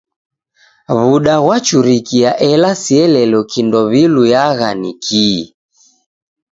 W'uda ghwachurikia ela sielelo kindo w'iluyagha ni kii!